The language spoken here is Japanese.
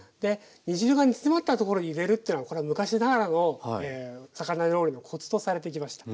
煮汁が煮詰まったところに入れるというのはこれは昔ながらの魚料理のコツとされてきました。